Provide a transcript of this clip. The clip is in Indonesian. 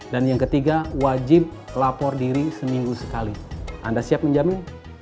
dan yang ketiga wajib lapor diri seminggu sekali anda siap menjamin